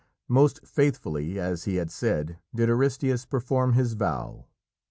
Most faithfully, as he had said, did Aristæus perform his vow.